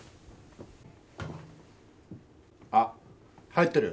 あっ入ってる。